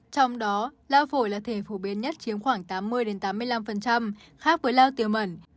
trong đó lao phổi là thể phổ biến nhất chiếm khoảng tám mươi tám mươi năm khác với lao tiềm mẩn